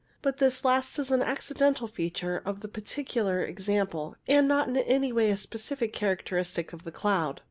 But this last is an accidental feature of the particular example, and not in any way a specific character of the cloud.